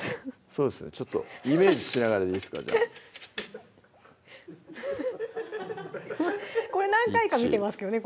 そうですねちょっとイメージしながらでいいですかこれ何回か見てますけどね